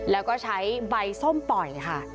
แล้วก็ใช้ใบส้มปล่อยค่ะ